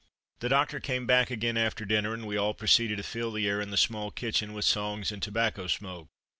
The doctor came back again after dinner, and we all proceeded to fill the air in the small kitchen with songs and tobacco smoke.